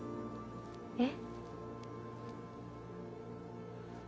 えっ？